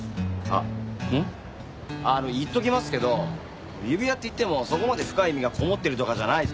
あの言っときますけど指輪っていってもそこまで深い意味がこもってるとかじゃない。